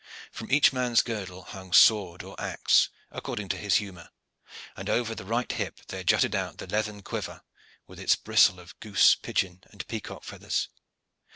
From each man's girdle hung sword or axe, according to his humor, and over the right hip there jutted out the leathern quiver with its bristle of goose, pigeon, and peacock feathers.